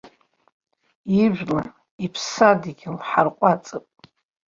Ижәлар, иԥсадгьыл ҳарҟәаҵп.